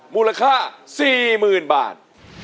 มูลค่าสี่หมื่นบาท